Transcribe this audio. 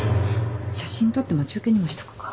写真撮って待ち受けにもしとくか。